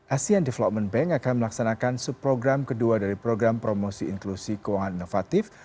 asean development bank akan melaksanakan subprogram kedua dari program promosi inklusi keuangan inovatif